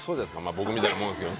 僕みたいなもんですけど。